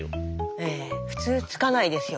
ええ普通つかないですよ。